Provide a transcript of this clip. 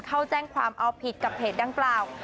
เข้าแจ้งความเอาผิดกับเพจดังกล่าว